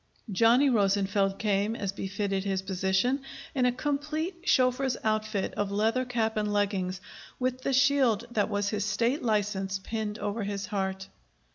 Johnny Rosenfeld came, as befitted his position, in a complete chauffeur's outfit of leather cap and leggings, with the shield that was his State license pinned over his heart.